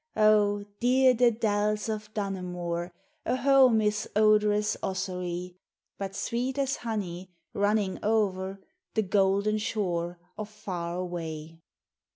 Oh, dear the dells of Dunamore, A home is odorous Ossory ; But sweet as honey, running o'er, The Golden Shore of Far Away